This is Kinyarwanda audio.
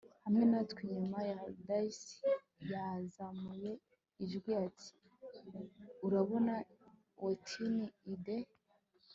hamwe natwe inyuma ya dais yazamuye ijwi ati 'urabona wetin i de